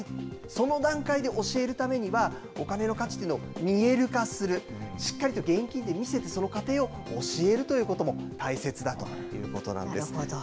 その段階で教えるためには、お金の価値っていうのを見える化する、しっかりと現金で見せて、その過程を教えるということも大切だとなるほど。